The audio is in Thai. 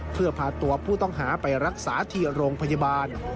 เพื่อพาตัวผู้ต้องหาไปรักษาที่โรงพยาบาล